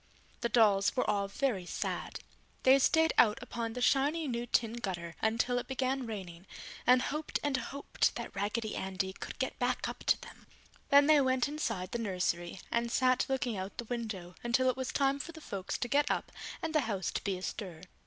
The dolls were all very sad. They stayed out upon the shiny new tin gutter until it began raining and hoped and hoped that Raggedy Andy could get back up to them. Then they went inside the nursery and sat looking out the window until it was time for the folks to get up and the house to be astir.